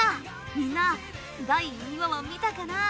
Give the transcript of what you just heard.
みんな第２話は見たかな？